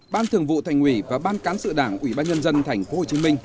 ban thường vụ thành ủy và ban cán sự đảng ubnd tp hcm